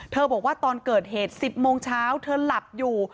บอกว่าตอนเกิดเหตุ๑๐โมงเช้าเธอหลับอยู่